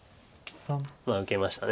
まあ受けました。